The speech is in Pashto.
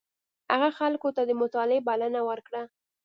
هغه خلکو ته د مطالعې بلنه ورکړه.